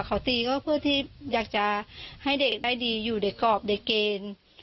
เขาตีก็เพื่อที่อยากจะให้เด็กได้ดีอยู่ในกรอบในเกณฑ์